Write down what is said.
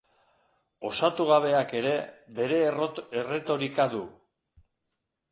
Osatugabeak ere bere erretorika du.